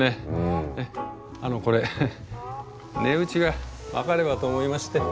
あのこれ値打ちが分かればと思いまして。